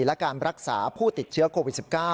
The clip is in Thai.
และการรักษาผู้ติดเชื้อโควิด๑๙